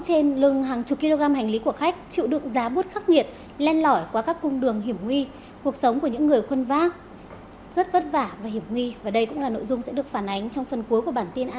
xin chào tạm biệt và hẹn gặp lại